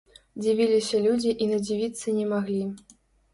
Дзівіліся людзі і надзівіцца не маглі.